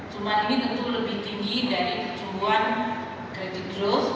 cuma ini tentu lebih tinggi dari pertumbuhan kredit growth